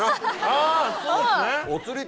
あぁそうですね！